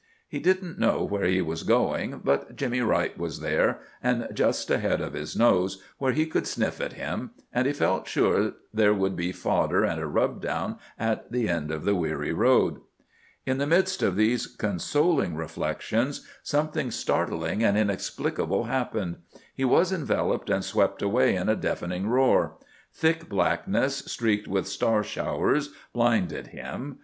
He didn't know where he was going, but Jimmy Wright was there, and just ahead of his nose, where he could sniff at him; and he felt sure there would be fodder and a rub down at the end of the weary road. In the midst of these consoling reflections something startling and inexplicable happened. He was enveloped and swept away in a deafening roar. Thick blackness, streaked with star showers, blinded him.